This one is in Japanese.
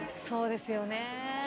そうですよね。